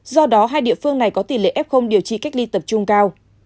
do đó hai địa phương này có tỷ lệ f điều trị cách ly tập trung cao